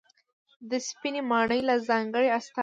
د سپینې ماڼۍ له ځانګړې استازي